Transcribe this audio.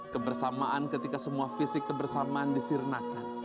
kebersamaan ketika semua fisik kebersamaan disirnakan